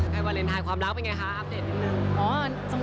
วาเลนไทยความรักเป็นไงคะอัปเดตนิดนึง